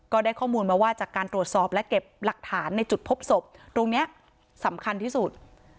ก็ได้ข้อมูลมาว่าจากการตรวจสอบและเก็บหลักฐานในจุดพบศพตรงนี้สำคัญที่สุด